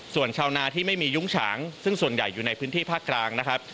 ส่วนชาวนาที่ไม่มียุ้งฉางซึ่งส่วนใหญ่อยู่ในพื้นที่ภาคกลางนะครับ